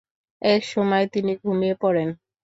এক সময় তিনি ঘুমিয়ে পড়েন।